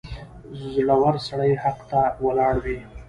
• زړور سړی حق ته ولاړ وي.